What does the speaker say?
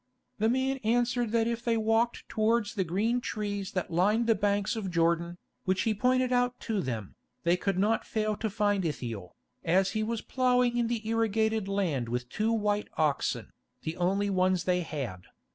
The man answered that if they walked towards the green trees that lined the banks of Jordan, which he pointed out to them, they could not fail to find Ithiel, as he was ploughing in the irrigated land with two white oxen, the only ones they had.